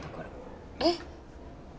えっ。